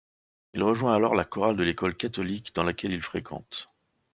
Il rejoint alors la chorale de l'école catholique dans laquelle il fréquente.